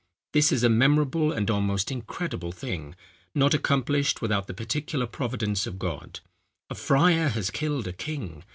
This is a memorable and almost incredible thing, not accomplished without the particular providence of God. A friar has killed a king.